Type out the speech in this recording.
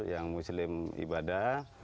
yang muslim ibadah